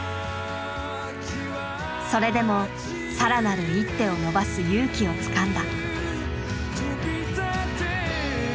それでも更なる一手を伸ばす勇気をつかんだ。